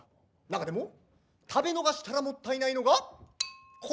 中でも食べ逃したらもったいないのがこちらの一品。